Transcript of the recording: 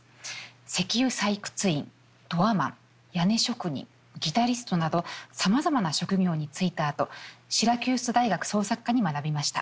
石油採掘員ドアマン屋根職人ギタリストなどさまざまな職業に就いたあとシラキュース大学創作科に学びました。